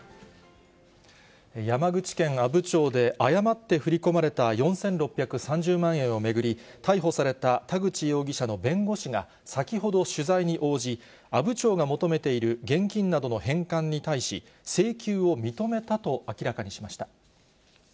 山口県阿武町で、誤って振り込まれた４６３０万円を巡り、逮捕された田口容疑者の弁護士が先ほど取材に応じ、阿武町が求めている現金などの返還に対し、請求を認めたと明らかにしました。